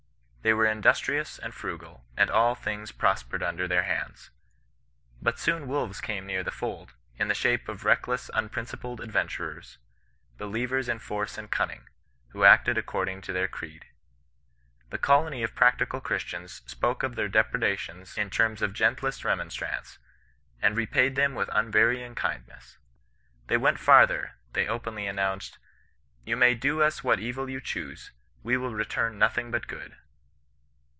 They were industrious and frugal, and all things prospered under their hands. But soon wolves came near the fold, in the shape of reckless unprincipled adventurers; believers in force and cunning, who acted according to their creed. The colony of practical Christians spoke of their depredations in terms of gentlest remonstrance, and re paid them with imvaiying kindness. They went farther — they openly announced, * You may do us what evil you choose ; we will return nothing but good.'